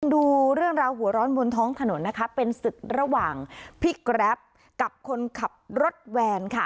ดูเรื่องราวหัวร้อนบนท้องถนนนะคะเป็นศึกระหว่างพี่แกรปกับคนขับรถแวนค่ะ